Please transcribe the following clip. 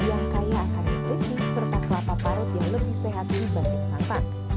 yang kaya akan bersih serta kelapa parut yang lebih sehat dibanding santan